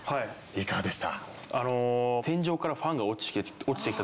いかがでした？